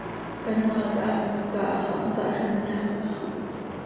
Canoaa quih haa moca ha xo hansaa hax inyaam áa.